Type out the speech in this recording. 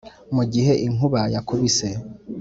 mugihe inkuba yakubise